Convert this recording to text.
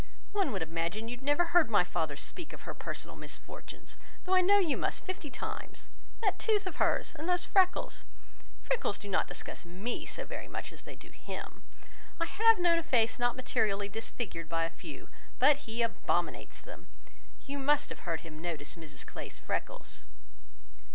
One would imagine you had never heard my father speak of her personal misfortunes, though I know you must fifty times. That tooth of her's and those freckles. Freckles do not disgust me so very much as they do him. I have known a face not materially disfigured by a few, but he abominates them. You must have heard him notice Mrs Clay's freckles."